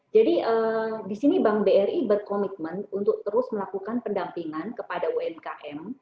jadi di sini bank bri berkomitmen untuk terus melakukan pendampingan kepada umkm